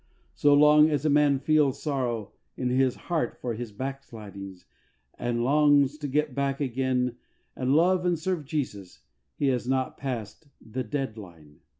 So long as a man feels sorrow in his heart for his back slidings and longs to get back again and love and serve Jesus, he has not passed " the dead line."